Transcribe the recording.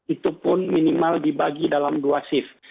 itu pun minimal dibagi dalam dua shift